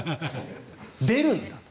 出るんだと。